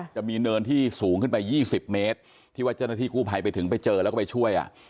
จะมีเนินที่สูงขึ้นไป๒๐เมตรที่ว่าเจ้าหน้าที่กู้ภัยไปถึงไปเจอแล้วก็ไปช่วยอ่ะ